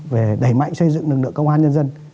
về đẩy mạnh xây dựng lực lượng công an nhân dân